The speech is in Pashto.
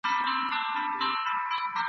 هره ورځ یې په لېدلو لکه ګل تازه کېدمه !.